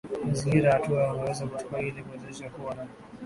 mazingira na hatua unazoweza kuchukua ili kuwezesha kuwa na